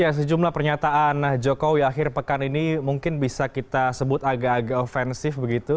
ya sejumlah pernyataan jokowi akhir pekan ini mungkin bisa kita sebut agak agak ofensif begitu